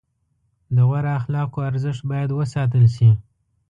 د غوره اخلاقو ارزښت باید وساتل شي.